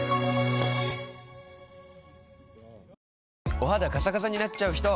お肌カサカサになっちゃうひと？